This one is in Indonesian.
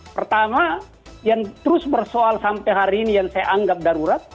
pertama yang terus bersoal sampai hari ini yang saya anggap darurat